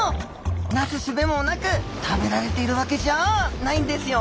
なすすべもなく食べられているワケじゃあないんですよ。